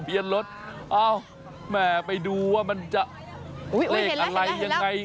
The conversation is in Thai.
เบียนรถเอ้าแม่ไปดูว่ามันจะเลขอะไรยังไง